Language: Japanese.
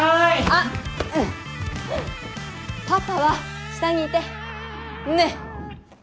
あっパパは下にいてねっ！